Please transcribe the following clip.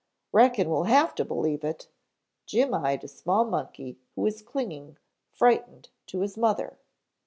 "Reckon we'll have to believe it." Jim eyed a small monkey who was clinging, frightened to his mother.